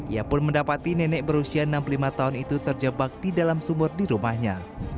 ia pun mendapati nenek berusia enam puluh lima tahun itu terjebak di dalam sumur di rumahnya